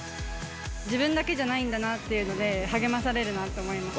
自分だけじゃないんだなっていうので、励まされるなと思います。